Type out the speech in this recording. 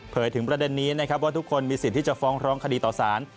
ถึงประเด็นนี้นะครับว่าทุกคนมีสิทธิ์ที่จะฟ้องร้องคดีต่อสาร